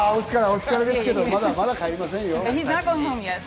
お疲れですけど、まだ帰りませんよ。